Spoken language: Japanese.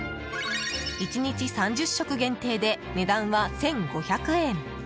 １日３０食限定で値段は１５００円。